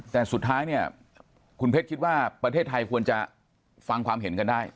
แต่สุดท้ายเนี่ยคุณเพชรคิดว่าประเทศไทยควรจะฟังความเห็นกันได้